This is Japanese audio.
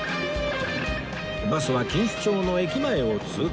バスは錦糸町の駅前を通過